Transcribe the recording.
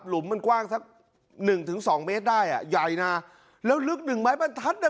มันกว้างสักหนึ่งถึงสองเมตรได้อ่ะใหญ่นะแล้วลึกหนึ่งไม้บรรทัดอ่ะ